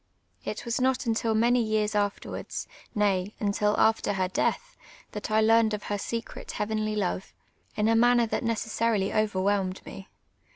It was not until many years afterwards, nay, until after her death, that I learned of her secret heavenly love, in a manner tliat necessarily overwhelmed me.